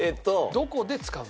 どこで使う？